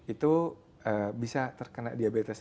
itu bisa terkena diabetes